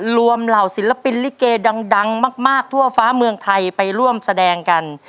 เหล่าศิลปินลิเกดังมากทั่วฟ้าเมืองไทยไปร่วมแสดงกัน